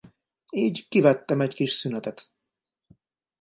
Így kivettem egy kis szünetet.